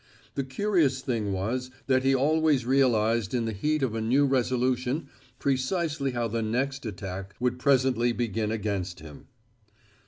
The curious thing was that he always realized in the heat of a new resolution precisely how the next attack would presently begin against him.